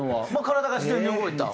体が自然に動いた？